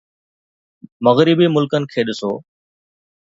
مغربي ملڪن کي ڏسو